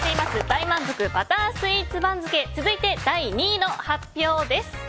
大満足バタースイーツ番付続いて第２位の発表です。